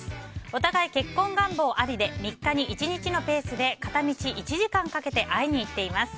お互い結婚願望ありで３日に１回のペースで片道１時間かけて会いに行っています。